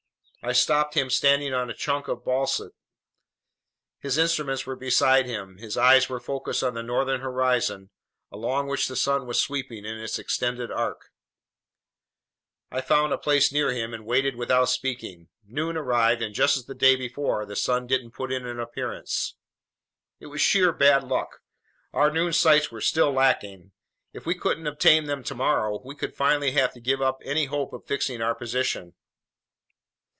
I spotted him standing on a chunk of basalt. His instruments were beside him. His eyes were focused on the northern horizon, along which the sun was sweeping in its extended arc. I found a place near him and waited without speaking. Noon arrived, and just as on the day before, the sun didn't put in an appearance. It was sheer bad luck. Our noon sights were still lacking. If we couldn't obtain them tomorrow, we would finally have to give up any hope of fixing our position.